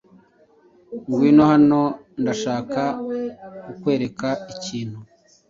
Ngwino hano, Ndashaka kukwereka ikintu.